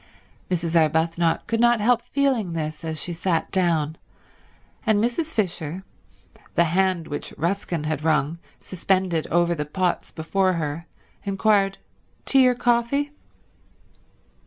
Mrs. Arbuthnot could not help feeling this as she sat down, and Mrs. Fisher, the hand which Ruskin had wrung suspended over the pots before her, inquired, "Tea or coffee?"